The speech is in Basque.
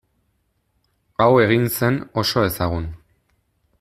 Hau egin zen oso ezagun.